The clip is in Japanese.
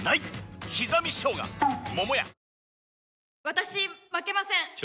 「私負けません。